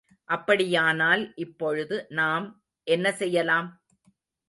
அப்படியானால் இப்பொழுது நாம் என்ன செய்யலாம்?